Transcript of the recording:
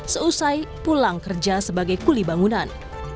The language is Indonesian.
seusai pulang kerja sebagai kuli bangunan